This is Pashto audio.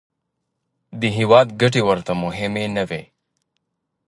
د هېواد ګټې ورته مهمې نه وې.